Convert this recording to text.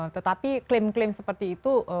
tetapi klaim klaim seperti itu